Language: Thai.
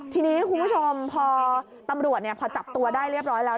ทีนี้คุณผู้ชมพอตำรวจพอจับตัวได้เรียบร้อยแล้ว